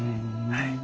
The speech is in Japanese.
はい。